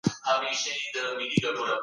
د ژمي په موسم کي مرغان ګرمو سیمو ته البوځي.